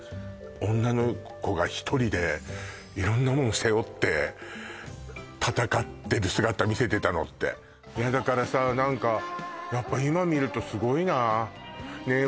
女の子が１人で色んなもの背負って戦ってる姿見せてたのっていやだからさ何かやっぱ今見るとすごいなねえ